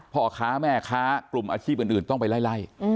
พ่อค้าแม่ค้ากลุ่มอาชีพอื่นต้องไปไล่